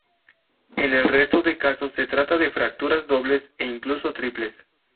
En el resto de casos, se trata de fracturas dobles e incluso triples.